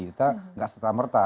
kita gak setamerta